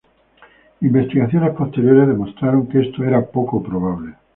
Investigaciones posteriores demostraron que esto era poco probable.